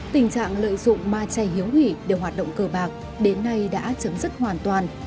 tình trạng lợi dụng ma chay hiếu hỉ để hoạt động cờ bạc đến nay đã chấm dứt hoàn toàn